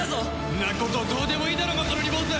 んなことどうでもいいだろマカロニボーズ！